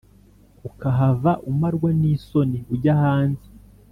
ukahava umarwa n’isoni ujya hanze